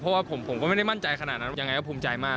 เพราะว่าผมก็ไม่ได้มั่นใจขนาดนั้นยังไงก็ภูมิใจมาก